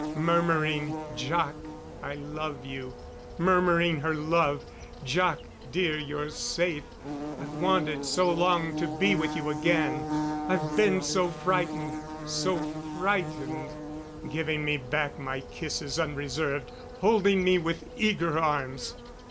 Murmuring, "Jac, I love you!" Murmuring her love: "Jac dear, you're safe! I've wanted so long to be with you again I've been so frightened so frightened " Giving me back my kisses unreserved; holding me with eager arms